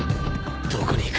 どこに行く？